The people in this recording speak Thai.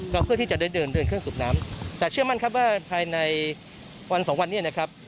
ก็เพื่อที่จะได้เดินเดินเครื่องสูบน้ำแต่เชื่อมั่นครับว่าภายในวันสองวันนี้นะครับ